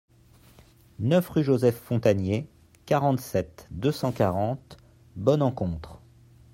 neuf rue Joseph Fontanié, quarante-sept, deux cent quarante, Bon-Encontre